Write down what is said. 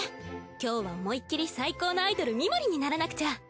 今日は思いっきり最高のアイドルミモリにならなくちゃ！